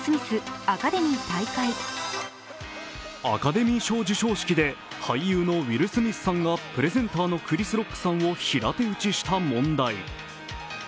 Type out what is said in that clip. アカデミー賞授賞式で俳優のウィル・スミスさんがプレゼンターのクリス・ロックさんを平手打ちした問題。